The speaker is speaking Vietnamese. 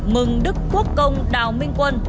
mừng đức quốc công đào minh quân